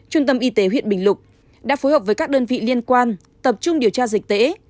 trung tâm y tế huyện bình lục đã phối hợp với các đơn vị liên quan tập trung điều tra dịch tễ